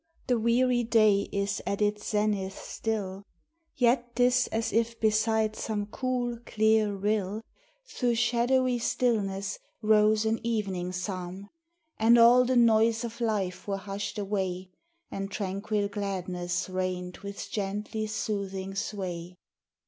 The weary day is at its zenith still, Yet 't is as if beside some cool, clear rill, Through shadowy stillness rose an evening psalm. And all the noise of life were hushed away, And tranquil gladness reigned with gently soothing sway.